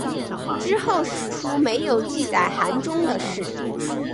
之后史书没有记载韩忠的事。